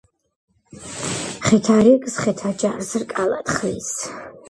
ხეთა რიგს ხეთა ჯარს რკალად ხრის